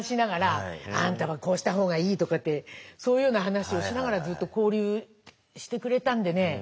「あんたはこうした方がいい」とかってそういうふうな話をしながらずっと交流してくれたんでね